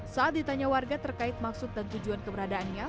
saat ditanya warga terkait maksud dan tujuan keberadaannya